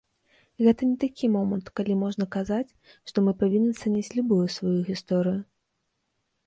Гэта не такі момант, калі можна казаць, што мы павінны цаніць любую сваю гісторыю.